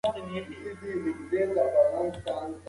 دا ستوري اوږده مدارونه په لمریز نظام کې تعقیبوي.